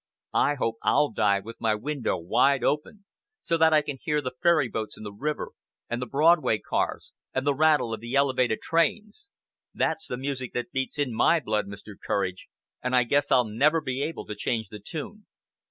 I hope I'll die with my window wide open, so that I can hear the ferry boats in the river, and the Broadway cars, and the rattle of the elevated trains. That's the music that beats in my blood, Mr. Courage! and I guess I'll never be able to change the tune.